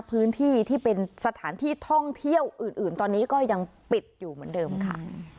พื้นที่ที่เป็นสถานที่ท่องเที่ยวอื่นตอนนี้ก็ยังปิดอยู่เหมือนเดิมค่ะ